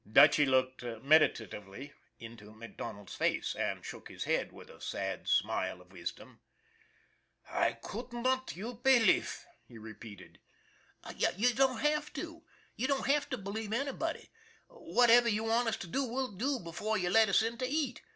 Dutchy looked meditatively into MacDonald's face, and shook his head with a sad smile of wisdom. " I could not you pelief," he repeated. " You don't have to. You don't have to believe any body. Whatever you want us to do we'll do before you let us in to eat.